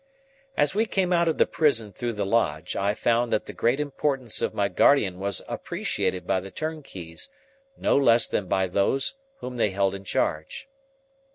As we came out of the prison through the lodge, I found that the great importance of my guardian was appreciated by the turnkeys, no less than by those whom they held in charge.